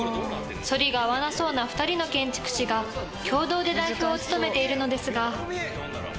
反りが合わなそうな２人の建築士が共同で代表を務めているのですが。